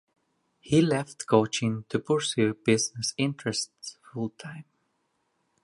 He left coaching to pursue business interests full time.